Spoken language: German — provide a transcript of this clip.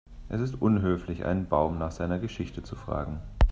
Es ist unhöflich, einen Baum nach seiner Geschichte zu fragen.